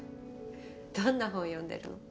どんな本読んでるの？